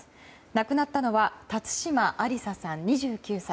亡くなったのは辰島ありささん２９歳。